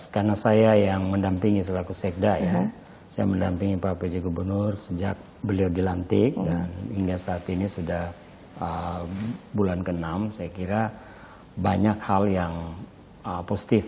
karena saya yang mendampingi sulawesi tenggara ya saya mendampingi pak pj gubernur sejak beliau dilantik dan hingga saat ini sudah bulan ke enam saya kira banyak hal yang positif